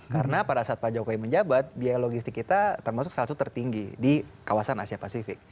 karena pada saat pak jokowi menjabat biaya logistik kita termasuk status tertinggi di kawasan asia pasifik